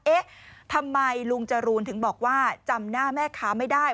เอ๊ะทำไมลุงจรูนถึงบอกว่าจำหน้าแม่ค้าไม่ได้